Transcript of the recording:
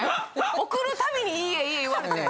贈るたびに「いいえ」「いいえ」言われて。